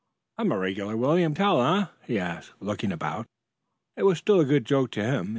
"I'm a regular William Tell, eh?" he asked looking about. It was still a good joke to him.